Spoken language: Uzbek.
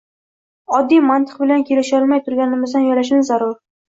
oddiy mantiq bilan kelisholmay turganimizdan uyalishimiz zarur.